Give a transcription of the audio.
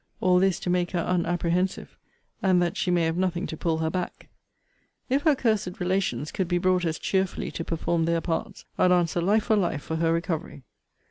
All this, to make her unapprehensive, and that she may have nothing to pull her back. If her cursed relations could be brought as cheerfully to perform their parts, I'd answer life for life for her recovery.